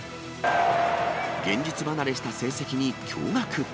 現実離れした成績に驚がく。